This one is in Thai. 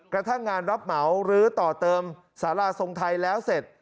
กระทั่งงานรับเหมาหรือต่อเติมสาราทรงไทยแล้วเสร็จ